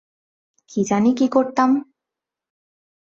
কী জানি কী করতাম।